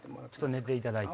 寝ていただいて。